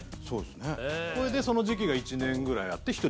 それでその時期が１年ぐらいあって１人